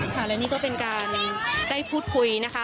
ค่ะและนี่ก็เป็นการได้พูดคุยนะคะ